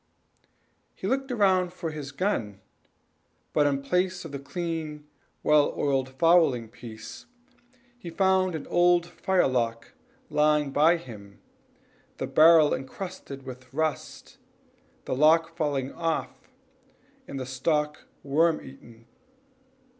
He looked round for his gun, but in place of the clean, well oiled fowling piece, he found an old firelock lying by him, the barrel incrusted with rust, the lock falling off, and the stock worm eaten.